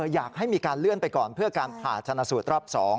อยากให้มีการเลื่อนไปก่อนเพื่อการผ่าชนะสูตรรอบ๒